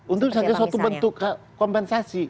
untuk suatu bentuk kompensasi